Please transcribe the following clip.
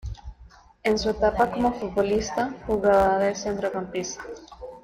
En su etapa como futbolista, jugaba de centrocampista.